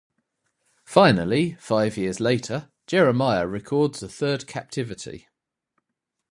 Finally, five years later, Jeremiah records a third captivity.